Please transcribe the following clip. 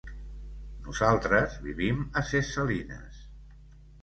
Nosaltres vivim a Ses Salines.